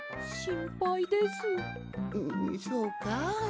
んんそうか？